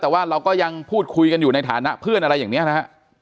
แต่ว่าเราก็ยังพูดคุยกันอยู่ในฐานะเพื่อนอะไรอย่างนี้นะฮะ